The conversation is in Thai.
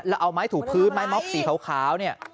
แล้วเอาไม้ถูกพื้นไม้ม็อบสีขาวเนี่ย